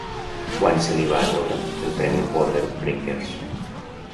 Quan se li va atorgar el Premi Border Breakers?